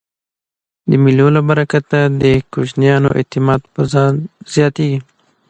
د مېلو له برکته د کوچنیانو اعتماد پر ځان زیاتېږي.